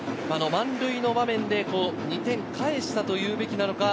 満塁の場面で２点返したというべきなのか。